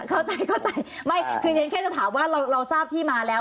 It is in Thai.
เข้าใจไม่คืออย่างนั้นแค่จะถามว่าเราทราบที่มาแล้ว